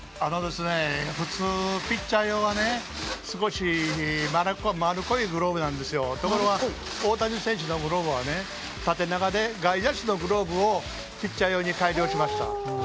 普通、ピッチャー用は少し丸っこいグローブなんですが大谷選手のグローブは縦長で、外野手のグローブをピッチャー用に改良しました。